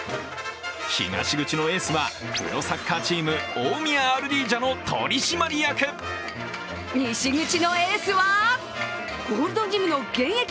東口のエースはプロサッカーチーム、大宮アルディージャの取締役。